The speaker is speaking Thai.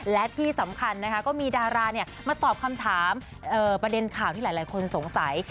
และที่สำคัญนะคะก็มีดารามาตอบคำถามประเด็นข่าวที่หลายคนสงสัย